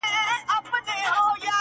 • سیاه پوسي ده، ژوند تفسیرېږي.